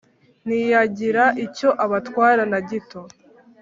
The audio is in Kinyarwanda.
ntiyagira icyo abatwara na gito